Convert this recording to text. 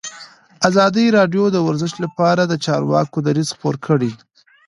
ازادي راډیو د ورزش لپاره د چارواکو دریځ خپور کړی.